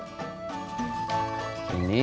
kasih buang sampah untuk